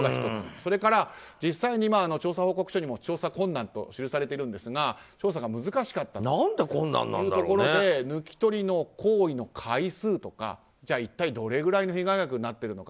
それから実際に調査報告書にも調査困難と記されているんですが調査が難しかったというところで抜き取りの行為の回数とかじゃあ一体どれぐらいの被害額になっているのか。